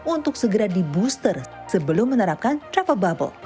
untuk segera di booster sebelum menerapkan travel bubble